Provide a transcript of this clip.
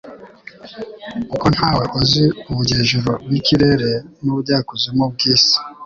Uko nta we uzi ubujyejuru bw’ikirere n’ubujyakuzimu bw’isi